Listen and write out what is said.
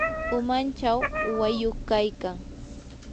umanchaw uwayuq kaykan.